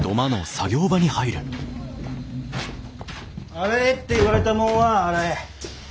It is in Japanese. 「洗え」って言われたもんは洗え。